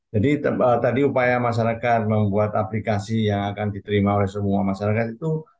jadi tadi upaya masyarakat membuat aplikasi yang akan diterima oleh semua masyarakat itu